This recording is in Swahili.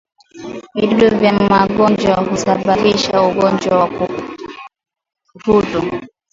Vijidudu vya magonjwa husababisha ugonjwa wa ukurutu